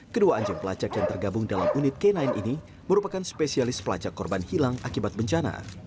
kedua anjing pelacak yang tergabung dalam unit k sembilan ini merupakan spesialis pelacak korban hilang akibat bencana